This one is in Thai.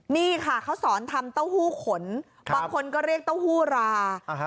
นี่ค่ะเขาสอนทำเต้าหู้ขนบางคนก็เรียกเต้าหู้รา